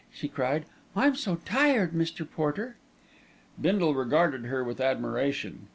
she cried. "I'm so tired, Mr. Porter." Bindle regarded her with admiration.